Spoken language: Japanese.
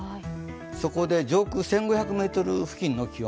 そこで上空１５００ｍ付近の気温。